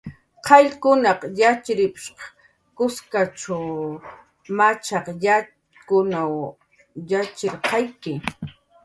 "Qayllkunaq yatxchirp""shq kuskach machaq yatxkun yatxirqayki"